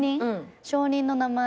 証人の名前